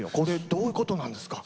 どういうことなんですか？